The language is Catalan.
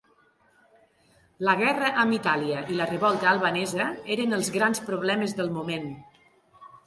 La guerra amb Itàlia i la revolta albanesa eren els grans problemes del moment.